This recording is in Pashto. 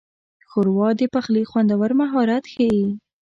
ښوروا د پخلي خوندور مهارت ښيي.